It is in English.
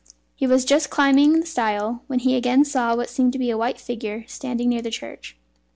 He was just climbing the stile, when he again saw what seemed to be a white figure standing near the church.